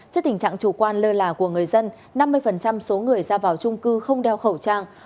trước tình trạng chủ quan lơ là của người dân năm mươi số người ra vào trung cư không đeo khẩu trang